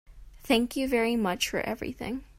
Thank you very much for everything.